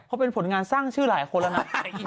เพราะเป็นผลงานสร้างชื่อหลายคนแล้วนะ